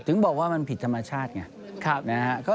ถึงบอกว่ามันผิดธรรมชาติไง